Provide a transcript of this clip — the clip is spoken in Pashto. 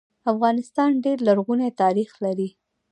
افغانستان ډير لرغونی تاریخ لري